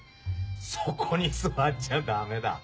そこに座っちゃダメだ。